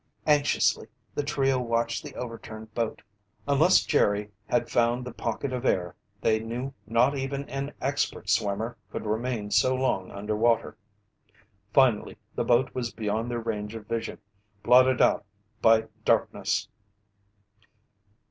Anxiously the trio watched the overturned boat. Unless Jerry had found the pocket of air, they knew not even an expert swimmer could remain so long underwater. Finally the boat was beyond their range of vision, blotted out by darkness.